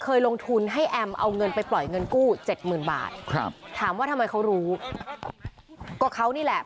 เอาเงินไปปล่อยเงินกู้๗๐๐๐๐บาทถามว่าทำไมเขารู้ก็เขานี่แหละ